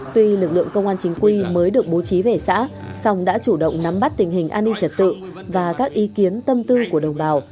tuy lực lượng công an chính quy mới được bố trí về xã song đã chủ động nắm bắt tình hình an ninh trật tự và các ý kiến tâm tư của đồng bào